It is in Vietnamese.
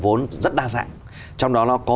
vốn rất đa dạng trong đó nó có